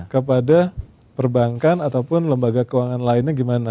kepada perbankan ataupun lembaga keuangan lainnya gimana